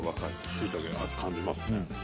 しいたけ味感じますね。